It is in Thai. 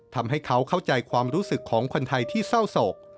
ทำให้เขาเข้าใจความรู้สึกของคนไทยที่เศร้าโศก